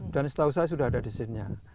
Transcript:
dan setahu saya sudah ada desainnya